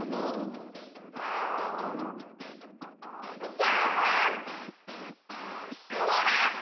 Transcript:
じゃあこれは？